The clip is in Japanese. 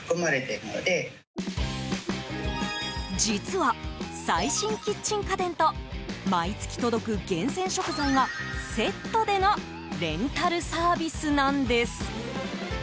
実は、最新キッチン家電と毎月届く厳選食材がセットでのレンタルサービスなんです。